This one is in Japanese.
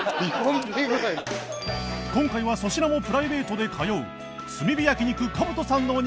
今回は粗品もプライベートで通う炭火焼肉